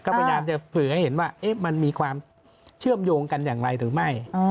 ก็พยายามจะสื่อให้เห็นว่ามันมีความเชื่อมโยงกันอย่างไรหรือไม่